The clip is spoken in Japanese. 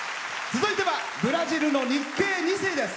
続いてはブラジルの日系２世です。